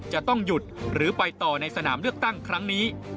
จะต้องหยุดหรือไปต่อในสนามเลือกตั้งครั้งนี้